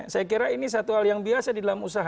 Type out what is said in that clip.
saya kira ini satu hal yang biasa di dalam usaha